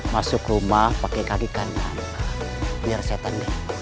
masuk rumah pakai kaki kanan biar setan